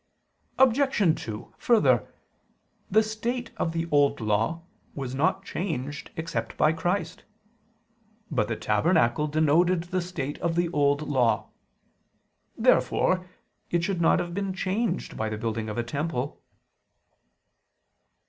Obj. 2: Further, the state of the Old Law was not changed except by Christ. But the tabernacle denoted the state of the Old Law. Therefore it should not have been changed by the building of a temple.